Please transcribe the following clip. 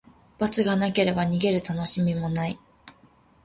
罰がなければ、逃げるたのしみもない。